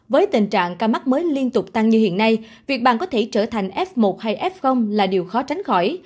với tình trạng ca mắc mới liên tục tăng như hiện nay việt bằng có thể trở thành f một hay f là điều khó tránh khỏi